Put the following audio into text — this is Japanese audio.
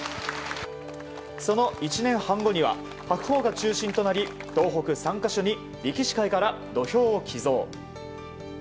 その１年半後には白鵬が中心となり東北３か所に力士会から土俵を寄贈。